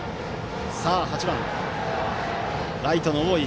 ８番ライトの大井。